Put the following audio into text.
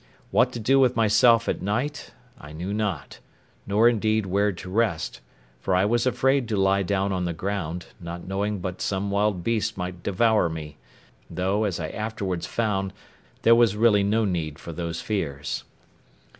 What to do with myself at night I knew not, nor indeed where to rest, for I was afraid to lie down on the ground, not knowing but some wild beast might devour me, though, as I afterwards found, there was really no need for those fears.